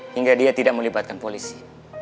hingga dia tidak melibatkan polisi